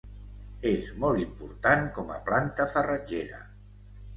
És molt important com a planta farratgera.